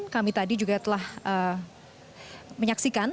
kami tadi juga telah menyaksikan